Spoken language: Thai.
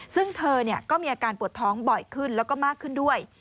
ซึ่งเธอก็มีอาการปวดท้องบ่อยขึ้นแล้วก็มากขึ้นด้วย